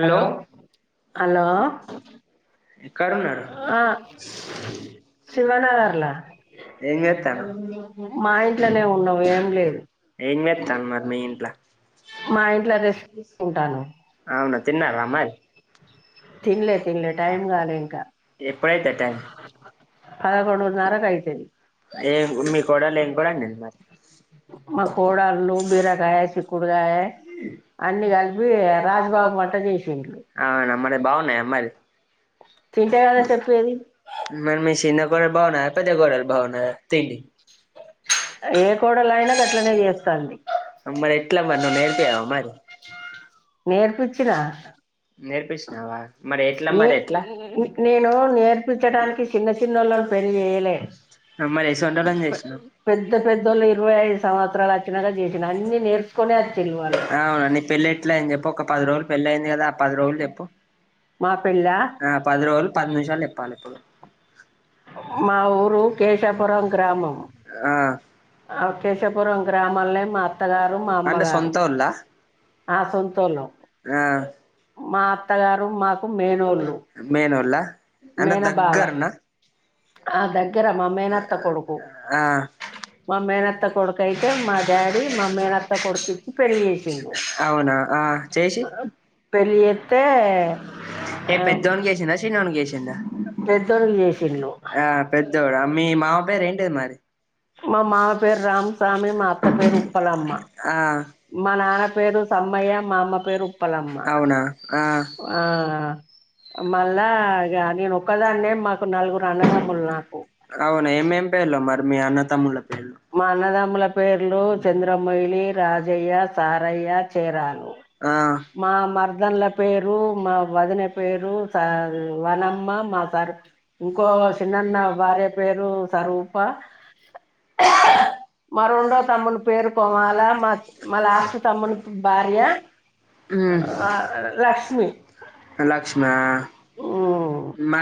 Hello hello ఆ శివ నగర్లా మా ఇంట్లోనే ఉన్నాము ఏం లేదు ఏం చేతల్లు మరి మీ ఇంట్ల తిన్లే తిన్లే టైమ్ కాలే పదకొండున్నరకీ అయితది ఏం మీ కోడలు లేం కూర అండింది మరి మా కోడళ్లు బీరకాయ చిక్కుడుకాయ అన్ని కలిపి రాజమ బాబు వంట చేసింలు తింటే కదా చెప్పేది మరి మీ చిన్న కోడలు బాగున్నదా పెద్ద కోడలు బాగున్నదా చై ఏ కోడలు అయినా అట్లనే చేస్తంది నేర్పించినవా మరి ఎట్లా మరి ఎట్ల మరి ఏసెంటో ఎట్లని చేసినవ్ అవున నీ పెళ్ళి ఎట్లా అని చెప్పు ఒక పది రోజులు పెళ్లి అయింది కదా ఆ పది రోజులు చెప్పు ఆ పది రోజులు పది నిమిషాలు చెప్పాలి ఇప్పుడు ఆ అంటే సొంతోల్ల ఆ సొంతుల్లం మా అత్తగారు మాకు మేనోళ్ళు మేనబావ ఆ దగ్గర మా మేనత్త కొడుకు మామ్మయినత్త కొడుక అయితే మా డాడీ మామ్మేయినత్త కొడుకు ఇచ్చి పెళ్లి చేసింది. పెళ్లిచేతే చేసింద చిన్నోనికి చేసిందా పెద్దోడుకి చేసిండ్ళలు మా మామ పేరు రామ్స్వామి మా అత్త పేరు ఉప్పలమ్మ మా నాన్న పేరు సమ్మయ మామ పేరు ఉప్పలమ్మ ఆ మళ్ళా ఇగ నేను ఒక్కదాన్నే మాకు నలుగురు అన్నదామ్ములు నాకు మా అన్నదామ్ముల పేర్లు చంద్రమైలి రాజయ్య స నారయ్య చేరాను మా మర్దన్ల పేరు మా వదిన పేరు వనమ్మ మా సార్ ఇంకో చిన్నన్న భార్య పేరు సరూపా మా రెండో తమ్ముని పేరు కోమాల మా మా లాస్ట్ తమ్ముని భార్య లక్ష్మి ఉ ఉమ్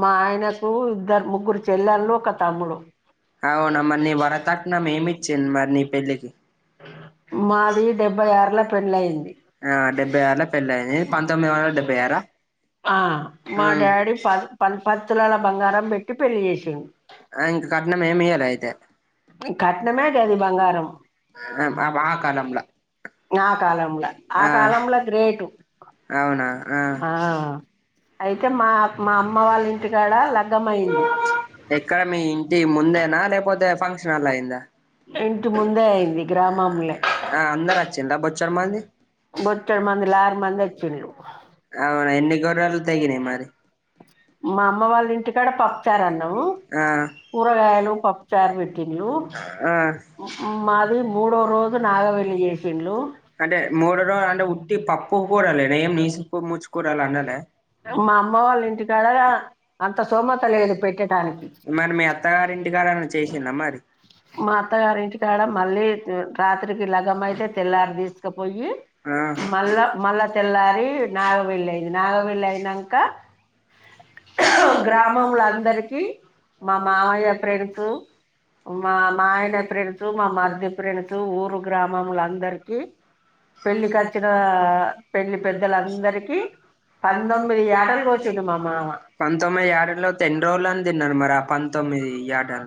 మా ఆయనకు ఇద్దరు ముగ్గురు చెల్లెలు ఒక తమ్ముడు అవునా మరి వరకట్నం ఏం ఇచ్చీరు మీ పెళ్ళికి మాది ముప్పైర్లో పెళ్ళి అయింది ఆ మా డాడీ ప ప పత్తులాల బంగారం పెట్టి పెళ్లి చేసిండ్ కట్నామెమ్ ఇయ్యలే అయితే కట్నమే గది బంగారం ఆ కాలంలో ఆ కాలంలో గ్రేటు ఆ అయితే మా మా అమ్మ వాళ్ళ ఇంటికాడ లగ్గం అయింది అంతేనా లేపోతే ఫంక్షన్ హాల్లో అయిందా ఆ అందరచ చింద బోచ్చారు మది అవునా ఎన్ని గోర్రలు తెగినాయి మరి మా అమ్మ వాళ్ళ ఇంటికాడ పప్పుచారు అన్నము కూరగాయలు పప్పుచార్ ఆ అంటే మూడ రోజు అంటే ఉట్టి పప్పు కూరాలే నా ఏం నీసుకు ముచ్చుకూరాలు అండాలే మరి మీ అత్తగారీల్ ఇంటికాడన్న చేసిందా మరి మా అత్తగరిటికాడ మళ్ళీ రాత్రికి లగ్గమైతే తెల్లారి తీసుకపోయి మల్ మల్ల తెల్లారి నాగవెల్లి అయిది నాగవల్లి అ అయినాంక గ్రామంలో అందరికి మా మామయ్య ఫ్రెండ్స్ మా మా ఆయన ఫ్రెండ్స్ మా మర్ది ఫ్రెండ్స్ ఊరు గ్రామములో అందరికి పెళ్ళకచ్చిన పెళ్లి పెద్దలందరికి పంతొమ్మిది యాటలు కోసిండు మా మామ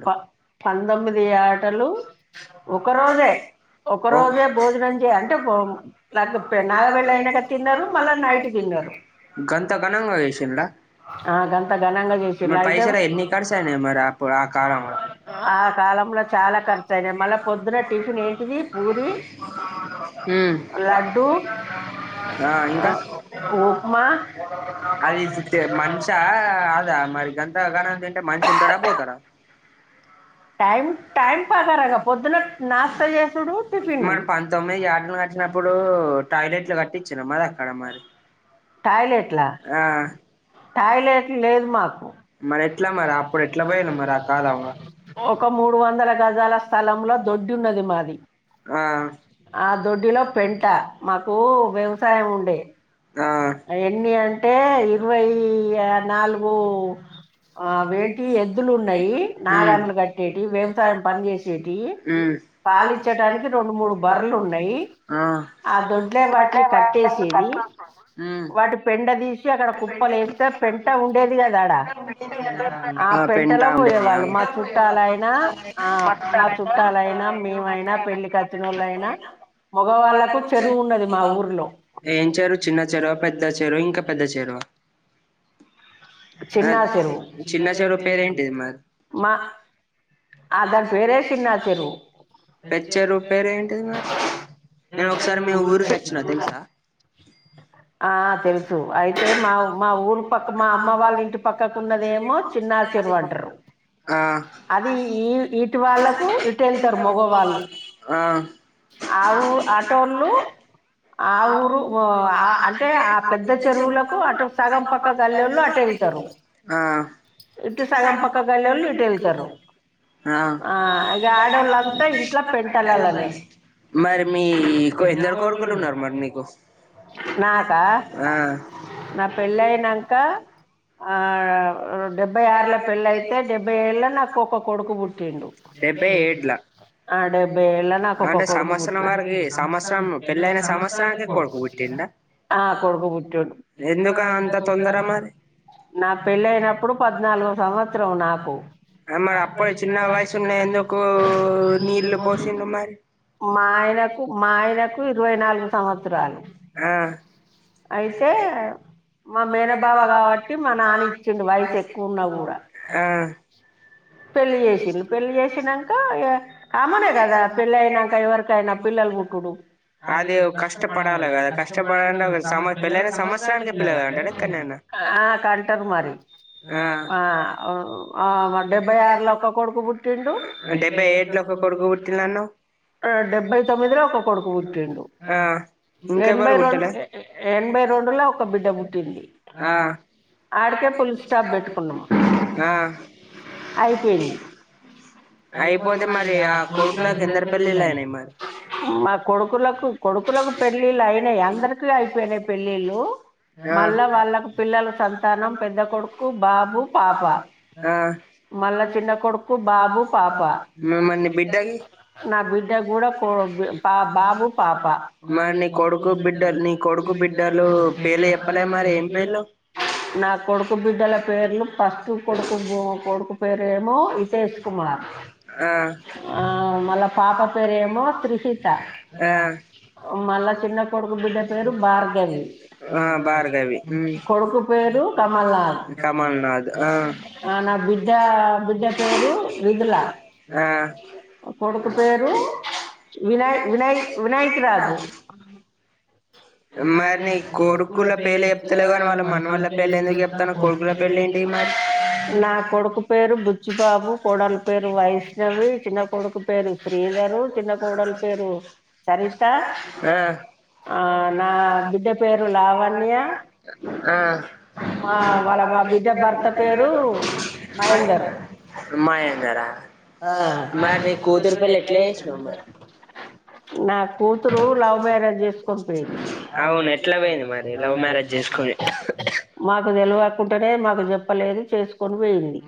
ప పంతొమ్మిది యాటలు ఒక రోజే ఒకరోజే భోజనం చేయ అంటే నాగబెళ్లి అయినాక తిన్నారు మళ్ళా నైట్ తిన్నారు ఆ అంత ఘనంగా చేసి ఇలా అయితే ఆ కాలంలో చాలా ఖర్చు అయినాయి మళ్ళా పొద్దున్న టిఫిన్ ఏంటిది పూరి లడ్డూ ఉప్మా [inaudible] [unintelligible] టైం టైం ప్రకారంగా పొద్దున నాస్త చేసడు టిఫిన్ దో మీరు యాటలూ నరికినప్పుడు టాయిలెట్లు కట్టించిన్నారా టాయిలెట్లా టాయిలెట్ లేదు మాకు ఒక మూడు వందల గజాల స్థలంలో దో దొడ్డున్నది మాది ఆ దొడ్డిలో పెంట మాకు వ్యవసాయం ఉండే అయి అన్ని అంటే ఇరవై నాలుగు ఆవేంటియి ఎద్దులు ఉన్నాయి నాగార్లు కట్టేటి వ్యవసాయం పని చేసేటియి పాలు ఇచ్చడానికి రెండు మూడు బార్లు ఉన్నాయి ఆ దొడ్లే వాటిని కట్టేసేది వాటి పెండాల్ ఆ పెంట ఉండేదిగా మట్టరట ఏం చెరువు చిన్న చెరువా పెద్ద చెరువా ఇంకా పెద్ద చెరువా అ చిన్న చెరువు పేరు ఏంటిది మరి పెచ్చరు పేరు ఏంటిది మరి నేను ఒకసారి మీ ఊరికి వచ్చినా తెలుసా ఆ తెలుసు అయితే మా మా ఊరు పక్క మా అమ్మ వాళ్ళ ఇంటి పక్కకు ఉన్నదేమో చిన్నా అంటరు అది ఈ ఈటు వాళ్ళకు ఇటెళ్తారు మగవాళ్ళు అవ్వు అటోల్లు ఆ ఊరు వ ఆ అంటే ఆ పెద్ ద్ద చెరువులకు అటు సగం పక్క గల్లోళ్ళు అటెళ్తరు ఇటు సగం పక్క గల్లోల్లు ఇటు ఎళ్తరు ఆ ఇగ ఆడోళ్ళంత ఇంట్ల పెంట అల్లల్లనే నాకా నా పెళ్ళైనంక ఆ డెబ్బై ఆరుల పెళ్ళైతే డెబ్బై ఏళ్ళ నాకు ఒక కొడుకు పుట్టిండు అ డెబ్బై ఏల్ల నాకు ఒక కొడుకు వుట్ ఆ కొడుకు పుట్టిండు నా పెళ్ళి అయినప్పుడు పద్నాలుగో సంవత్సరం నాకు అ మరి అప్పుడే చిన్న వయసున్నే ఎందుకు నీళ్ళు పోషిన్లు మరి ఆ అయితే మా మేనభావ కావట్టి మా నానిచ్చిండు వయసు ఎక్కువున్నా గూడా పెళ్లి చేసిళు పెళ్లి చేసినంకా ఇగ కామనే గదా పెళ్ళి అయినంక ఎవరికైనా పిల్లలు వుట్టుడు అదీ కష్టపడాలేగ కష్టపడడా సమ పెళ్ళైన సమస్రానికే పిల్లల్ [unintelligible] ఆ కంటర్ మరి ఆ మ డెబ్బై ఒక్క కొడుకు బుట్టిండు కొడుకు వుట్టిండన్నవ్ ఆ ఇంకా మరి వుట్టలే ఆ ఆ అయిపోదు మళి ఇగా [unintelligible] మా కొడుకులకు కొడుకులకు పెళ్ళిళ్ళు అయినయ్ అందరికి అయిపోయినాయి పెళ్ళిళ్ళు మళ్ళ వాళ్ళకు పిల్లల సంతానం పెద్ద కొడుకు బాబు పాప మళ్ళ చిన్న కొడుక్కు బాబు పాప నా బిడ్డ గూడా కో పా బా బాబు పాప నా కొడుకు బిడ్డల పేర్లు పస్ట్ కొడుకు గు కొడుకు పేరేమో ఇతేష్ కుమార్ ఆ మళ్ళ పాప పేరేమో త్రిశిత మళ్ళ చిన్న కొడుకు బిడ్డ పేరు భార్గవి కొడుకు పేరు కమల్నాథ్ ఆ నా బిడ్డ బిడ్డ పేరు విదిలా కొడుకు పేరు వినాయ్ వినాయ్ వినాయక్ రాజు మరి నీ కొడుకుల పేర్లు చెప్తలేవ్ కానీ వాళ్ళ మనవళ్ళ పేర్లు ఎందుకు చెప్తానవ్ కొడుకుల పెళ్లిన్ ది మారి నా కొడుకు పేరు బుచ్చిబాబు కోడల పేరు వైశ్న వి చిన్న కొడుకు పేరు శ్రీధరు చిన్న కోడల్ పేరు సరిత అ ఆ నా బిడ్డ పేరు లావణ్య మా వాళ్ళ మా బి విద్యా భర్త పేరు మహేందర్ ఆ మీ కూతురి పెళ్లి ఎట్లా చేశారు మీరు నా కూతురు లవ్ మ్యారేజ్ చేసుకుది మ మాకు తెలివకుంటనే మాకు చెప్పలేదు చేసుకొని పోయింది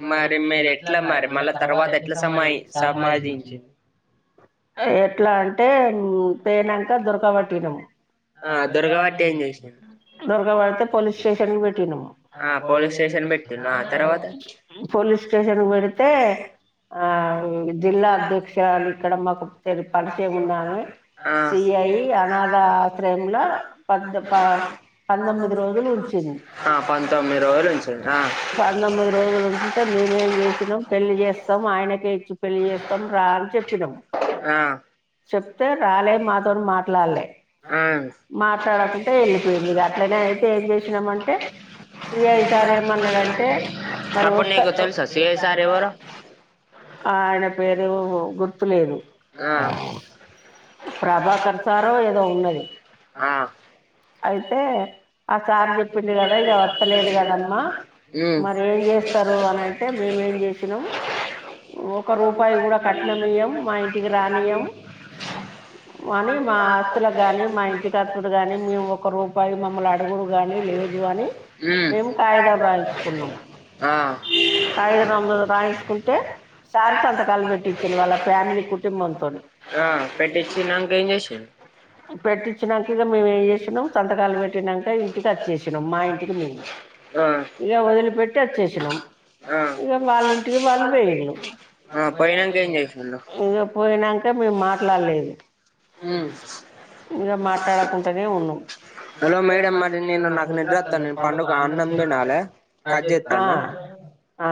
తవా ఏంటమ్మా సామానులు ఎట్లా అంటే తేనాంక దొరకవటినం దర్గవాడతే పోలీస్ స్టేషన్ పెట్టి ను పోట పోలీస్ స్టేషన్ బడితే ఆ జిల్లా అధ్యక్షురాలు ఇక్కడ మాకు తె పరిచే ఉన్నామ సిఐ అనాథ పంతొమ్మిది రోజులు ఉంచింది పంతొమ్మిది రోజులు ఉంచుంటే మేమేం చేసినాం పెళ్లి చేస్తాం స్తాం ఆయనక ఇచ్చి పెళ్లి చేస్తాం రా అనిచెప్పినాం చెప్తే రాలే మాతోని మాట్లాడలే ఆ మాట్లాడకుంటే వెళ్ళిపోయింది అట్లనే అయితే ఏం చేసినామంటే సి అయి సార్ ఏమన్నాడంటడి అంటే మరి వస్త ఆ ఆయన పేరు గుర్తులేదు ప్రభాకర్ సారో ఏదో ఉన్నది అయితే ఆ సార్ చెప్పింది కదా ఇక వస్తలేదు కదమ్మా మరి ఏం చేస్తారు అని అంటే మేము చేసినాము ఒక రూపాయి కూడా కట్నమి ఇయ్యం మా ఇంటికి రానియ్యం అనీ మా అస్తుల గాని మా ఇంటికత్తుడు గాని మేము ఒక రూపాయి మమ్మల్ని అడుగుడు గానీ లేదు అని మేము కాగిదం రాయించుకున్నాం కాగిద రా రాయించుకుంటే సార్స్ంతకాలు పెట్టించింది వాళ్ళ ఫ్యామిలీ కుటుంబంతో పెట్టించినాక మేముేం చేసినాం సంతకాలు పెట్టినాక ఇంటికి వచ్చేసినాం మా ఇంటికి మేము ఇక వదిలిపెట్టి వచ్చేసినాం ఇక వాళ్ళ ఇంటికి వాళ్ళ పె ఇక పోయినాక మేము మాట్లాడలేదు హ ఇంకా మాట్లాడకుంటనే ఉన్నాం [unintelligible] ఆ ఆ